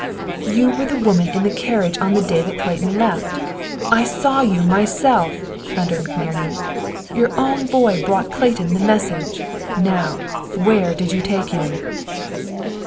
"You were the woman in the carriage on the day that Clayton left! I SAW YOU MYSELF!" thundered McNerney. "Your own boy brought Clayton the message. Now, where did you take him?"